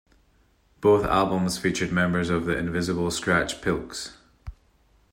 Both albums featured members of the Invisibl Skratch Piklz.